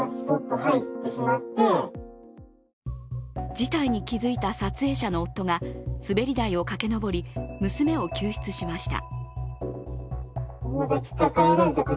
事態に気付いた撮影者の夫が滑り台を駆け上り、娘を救出しました。